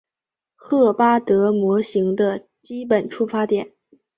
赫巴德模型的基本出发点。